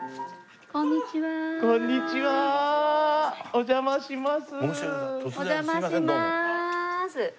お邪魔します。